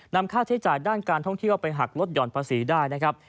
นำค่าใช้จ่ายด้านการท่องเที่ยวไปหักลดหย่อนภาษีได้นะครับ